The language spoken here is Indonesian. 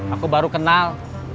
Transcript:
aku baru kenal